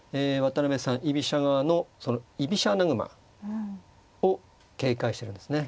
居飛車側の居飛車穴熊を警戒してるんですね。